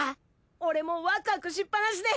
俺もうワクワクしっぱなしで。